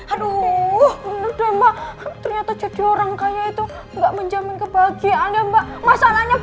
aduh udah mbak ternyata jadi orang kaya itu enggak menjamin kebahagiaan ya mbak masalahnya